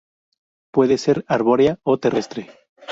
Puede ser arbórea o terrestre.